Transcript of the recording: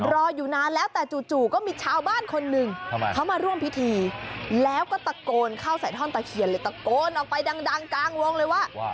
รออยู่นานแล้วแต่จู่ก็มีชาวบ้านคนหนึ่งเขามาร่วมพิธีแล้วก็ตะโกนเข้าใส่ท่อนตะเคียนเลยตะโกนออกไปดังกลางวงเลยว่า